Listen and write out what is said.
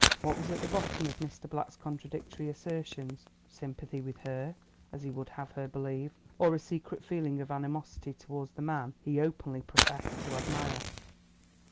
What was at the bottom of Mr. Black's contradictory assertions? Sympathy with her, as he would have her believe, or a secret feeling of animosity towards the man he openly professed to admire?